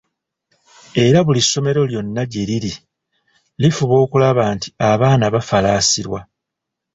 Era buli ssomero lyonna gye liri, lifuba okulaba nti abaana bafalaasirwa